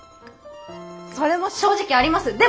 それも正直あります。